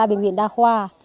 bệnh viện đa khoa